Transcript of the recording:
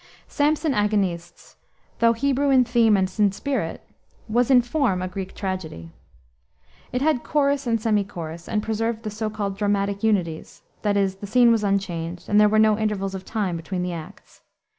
Samson Agonistes, though Hebrew in theme and in spirit, was in form a Greek tragedy. It had chorus and semi chorus, and preserved the so called dramatic unities; that is, the scene was unchanged, and there were no intervals of time between the acts.